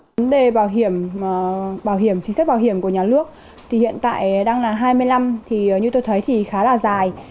vấn đề chính sách bảo hiểm của nhà nước thì hiện tại đang là hai mươi năm thì như tôi thấy thì khá là dài